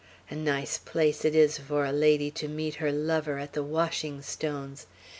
A nice place it is for a lady to meet her lover, at the washing stones!